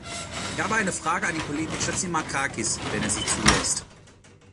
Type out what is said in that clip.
Ich habe eine Frage an den Kollegen Chatzimarkakis, wenn er sie zulässt.